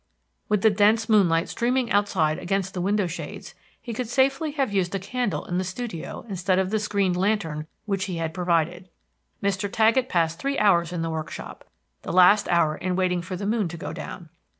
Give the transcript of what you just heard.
With the dense moonlight streaming outside against the window shades, he could safely have used a candle in the studio instead of the screened lantern which he had provided. Mr. Taggett passed three hours in the workshop, the last hour in waiting for the moon to go down.